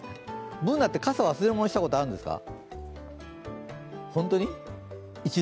Ｂｏｏｎａって、傘忘れ物したことあるんですか？